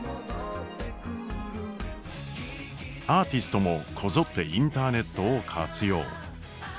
アーティストもこぞってインターネットを活用。